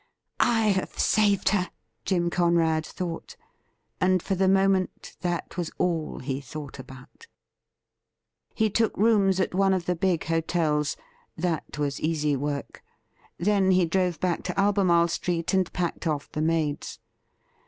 ' I have saved her,' Jim Conrad thought ; and for the moment that was all he thought about. He took rooms at one of the big hotels — that was easy work. Then he drove back to Albemarle Street and packed off the maids.